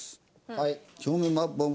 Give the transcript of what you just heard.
はい。